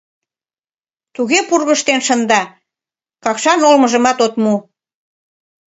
Туге пургыжтен шында, кашкан олмыжымат от му.